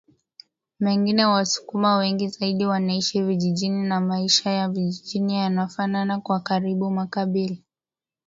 mengine wasukuma wengi zaidi wanaishi vijijini na maisha ya vijijini yanafanana kwa karibu makabila